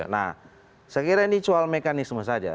nah saya kira ini soal mekanisme saja